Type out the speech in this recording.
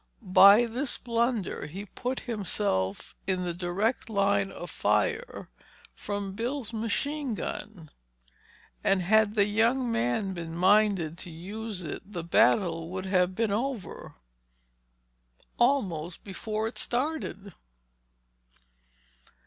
By this blunder he put himself in the direct line of fire from Bill's machine gun. And had that young man been minded to use it the battle would have been over—almost before it started.